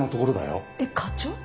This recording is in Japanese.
えっ課長？